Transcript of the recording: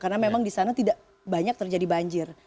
karena memang disana tidak banyak terjadi banjir